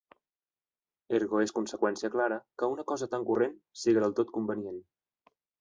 Ergo és conseqüència clara, que una cosa tan corrent, siga del tot convenient.